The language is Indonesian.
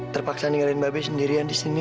terpaksa ninggalin babi sendirian di sini